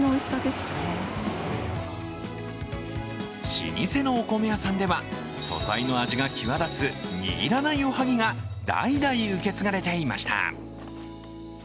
老舗のお米屋さんでは、素材の味が際立つ握らないおはぎが代々受け継がれていました。